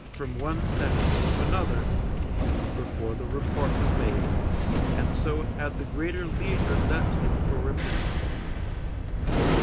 from one sessions to another, before the report was made, and so had the greater leisure left him for repentance.